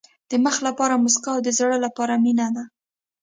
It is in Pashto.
د مخ لپاره موسکا او د زړه لپاره مینه ده.